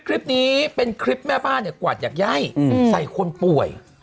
คลิปนี้เป็นคลิปแม่บ้านเนี่ยกวาดอยากไย่ใส่คนป่วย